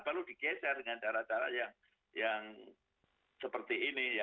kalau digeser dengan cara cara yang seperti ini